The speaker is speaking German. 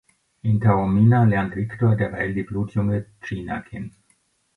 In Taormina lernt Viktor derweil die blutjunge Gina kennen.